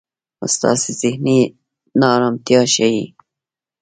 ستاسې زهني نا ارمتیا ښي.